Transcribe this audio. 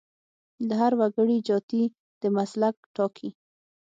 د هر وګړي جاتي د مسلک ټاکي.